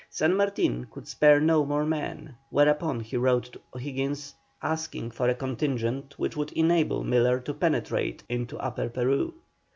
San Martin could spare no more men, whereupon he wrote to O'Higgins, asking for a contingent which would enable Miller to penetrate into Upper Peru.